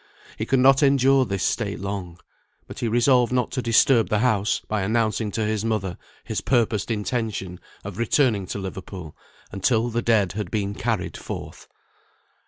He could not endure this state long; but he resolved not to disturb the house by announcing to his mother his purposed intention of returning to Liverpool, until the dead had been carried forth.